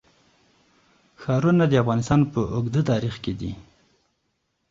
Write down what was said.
ښارونه د افغانستان په اوږده تاریخ کې دي.